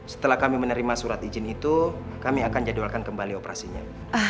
setelah kami menerima surat izin itu kami akan jadwalkan kembali operasinya